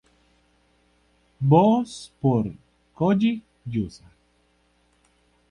Voz por: Kōji Yusa.